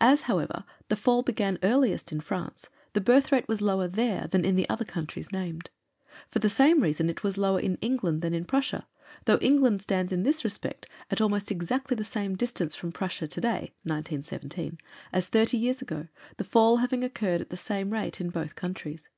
As, however, the fall began earliest in France, the birth rate was lower there than in the other countries named. For the same reason it was lower in England than in Prussia, although England stands in this respect at almost exactly the same distance from Prussia today (1917) as thirty years ago, the fall having occurred at the same rate in both countries.